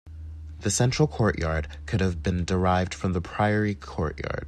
The central courtyard could have been derived from the priory courtyard.